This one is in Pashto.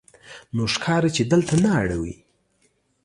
نو ښکاري چې دلته نه اړوې.